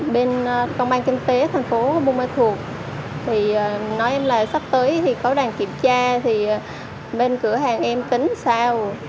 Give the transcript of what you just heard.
bên công an kinh tế tp hcm nói em là sắp tới thì có đàn kiểm tra thì bên cửa hàng em tính sao